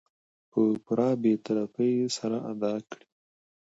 په پوره بې طرفي سره ادا کړي .